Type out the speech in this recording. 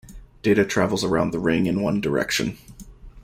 Data travels around the ring in one direction.